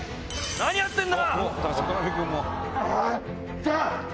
何やってんだ！